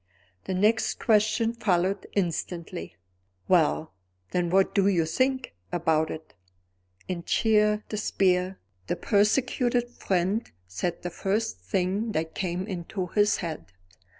The next question followed instantly: "Well, then, what do you think about it?" In sheer despair, the persecuted friend said the first thing that came into his head.